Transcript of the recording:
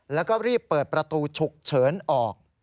แล้วก็รีบเปิดประตูฉุกเฉินออก